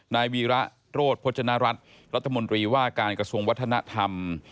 นายวีระโรธพจนรัฐรัฐรัฐมนตรีว่าการกระทรวงวัฒนธรรม